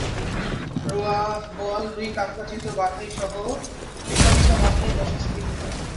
বোয়াল, রুই, কাতলা, চিতল, বাঘাইড়সহ বিশাল বিশাল মাছ নিয়ে বসে আছেন বিক্রেতারা।